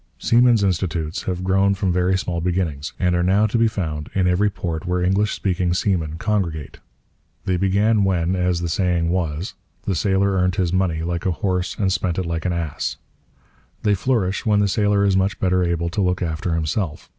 Seamen's Institutes have grown from very small beginnings, and are now to be found in every port where English speaking seamen congregate. They began when, as the saying was, the sailor earnt his money like a horse and spent it like an ass. They flourish when the sailor is much better able to look after himself.